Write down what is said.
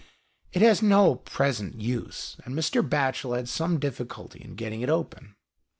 It has no present use, and Mr. Batchel had some difficulty in getting it open.